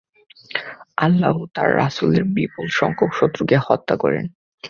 আল্লাহ ও তাঁর রাসূলের বিপুল সংখ্যক শত্রুকে হত্যা করেন।